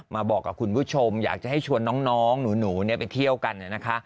มาบอกกับคุณผู้ชมอยากจะให้ชวนน้องหนูไปเที่ยวกันนะคะ